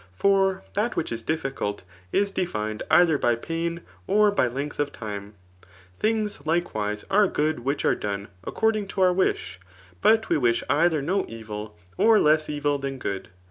For that which is dif&colt is defined either by pain, or by length of time. Thmgs, likewise, are good which are done according to our wish j but we wkdi^her no evil, or less evil than good.